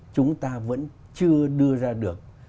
chúng ta vẫn chưa đưa ra được